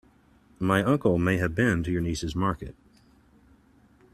My uncle may have been to your niece's market.